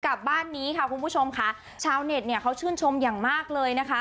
กับบ้านนี้ค่ะคุณผู้ชมค่ะชาวเน็ตเนี่ยเขาชื่นชมอย่างมากเลยนะคะ